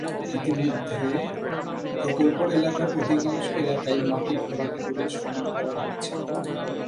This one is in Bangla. ইতিমধ্যে প্রকল্প এলাকার অধিকাংশ এলাকায় মাটি ভরাট করে সমান করা হয়েছে।